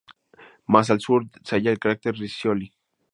Más al sur se halla el cráter Riccioli.